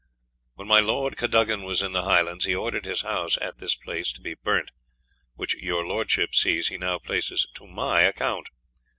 When my Lord Cadogan was in the Highlands, he ordered his house att this place to be burnt, which your Lordship sees he now places to my account.